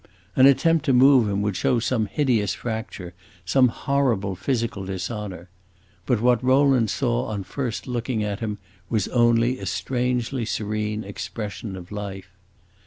An attempt to move him would show some hideous fracture, some horrible physical dishonor; but what Rowland saw on first looking at him was only a strangely serene expression of life.